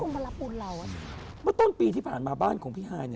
เมื่อต้นปีที่ผ่านมาบ้านของพี่ฮาย